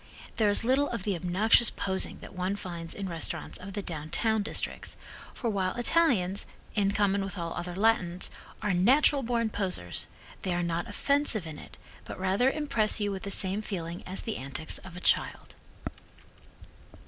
There is little of the obnoxious posing that one finds in restaurants of the downtown districts, for while Italians, in common with all other Latins, are natural born poseurs, they are not offensive in it, but rather impress you with the same feeling as the antics of a child.